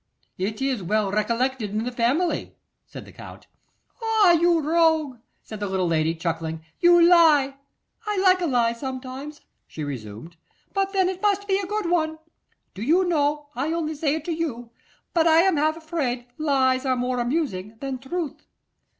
'It is well recollected in the family,' said the Count. 'Ah! you rogue!' said the little lady, chuckling, 'you lie! I like a lie sometimes,' she resumed, 'but then it must be a good one. Do you know, I only say it to you, but I am half afraid lies are more amusing than truth.